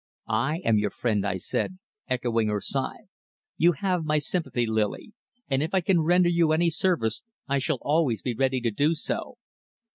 "I am your friend," I said, echoing her sigh. "You have my sympathy, Lily, and if I can render you any service I shall always be ready to do so."